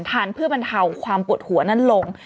ทานเพื่อทำความปวดหัวนั่นลง